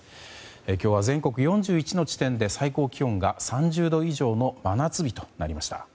今日は全国４１の地点で最高気温が３０度以上の真夏日となりました。